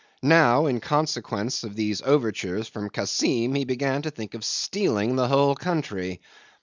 Now in consequence of these overtures from Kassim he began to think of stealing the whole country.